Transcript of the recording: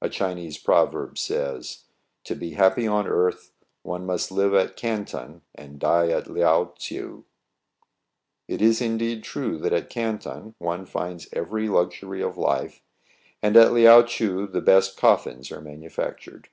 A Chinese proverb says, —" To be happy on earth, one must live at Canton, and die at Liao Tcheou." It is indeed true that at Canton one finds every luxury of life, and at Liao Tcheou the best coffins are manufactured.